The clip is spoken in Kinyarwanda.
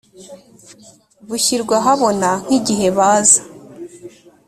bushyirwa ahabona nk igihe baza